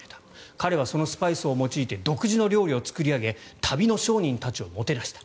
彼はそのスパイスを用いて独自の料理を作り上げ旅の商人たちをもてなした。